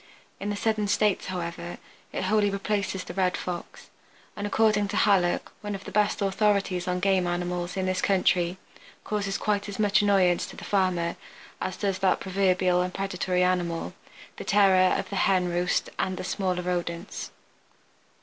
In the southern states, however, it wholly replaces the Red Fox, and, according to Hallock, one of the best authorities on game animals in this country, causes quite as much annoyance to the farmer as does that proverbial and predatory animal, the terror of the hen roost and the smaller rodents.